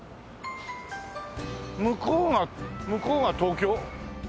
向こうが向こうが東京？